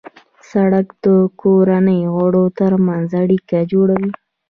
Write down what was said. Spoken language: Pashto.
سړک د کورنۍ غړو ترمنځ اړیکه جوړوي.